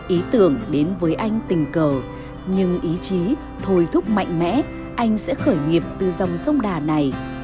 ý tưởng đến với anh tình cờ nhưng ý chí thổi thúc mạnh mẽ anh sẽ khởi nghiệp từ dòng sông đà này